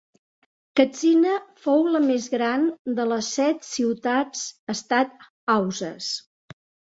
Katsina fou la més gran de les set ciutats estat hausses.